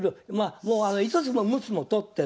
もう５つも６つも取ってる。